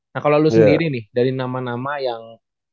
nah kalau lu sendiri nih dari nama nama yang